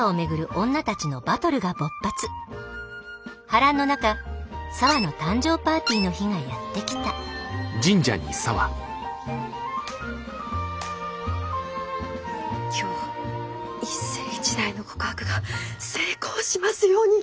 波乱の中沙和の誕生パーティーの日がやって来た今日一世一代の告白が成功しますように。